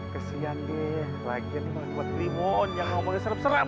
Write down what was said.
kesian deh lagi ini malah buat limu on yang ngomongnya serem serem